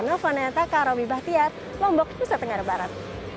novo nenaka roby bahtiat lombok bukit bisa tenggara barat